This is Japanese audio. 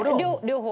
両方。